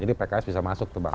jadi pks bisa masuk tuh pak